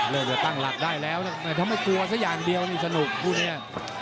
เริ่มจะตั้งหลักได้แล้วแต่ถ้าไม่กลัวซะอย่างเดียวนี่สนุกคู่นี้